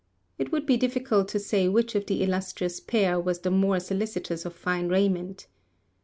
It would be difficult to say which of the illustrious pair was the more solicitous of fine raiment.